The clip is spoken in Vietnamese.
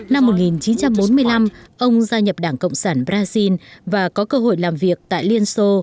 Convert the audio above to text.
năm một nghìn chín trăm bốn mươi năm ông gia nhập đảng cộng sản brazil và có cơ hội làm việc tại liên xô